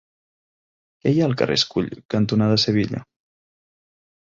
Què hi ha al carrer Escull cantonada Sevilla?